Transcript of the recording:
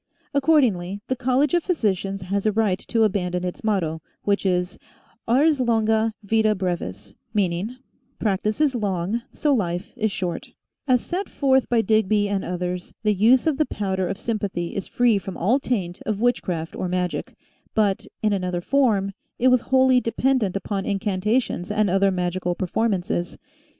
Accordingly, the College of Physicians has a right to abandon its motto, which is, Ars longa, vita brevis, meaning, Practice is long, so life is short" As set forth by Digby and others, the use of the Powder of Sympathy is free from all taint of witchcraft or magic, but, in another form, it was wholly dependent upon incanta tions and other magical performances.